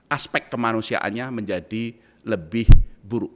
aspek kemanusiaannya menjadi lebih buruk